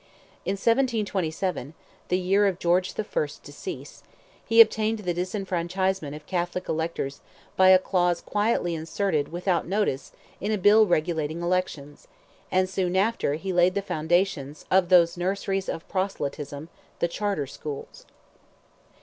In 1727—the year of George the First's decease—he obtained the disfranchisement of Catholic electors by a clause quietly inserted without notice in a Bill regulating elections; and soon after he laid the foundations of those nurseries of proselytism, "the Charter Schools."